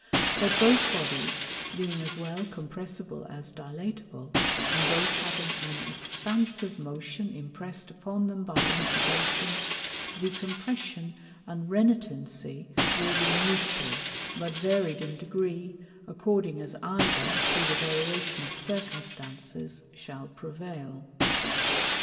But both Bodies being as well compressible as dilatable, and both having an expansive motion imprest upon them by Incubation, the Compression and Renitency will be mutual, but varied in degree, according as either, through the variation of Circumstances, shall prevail.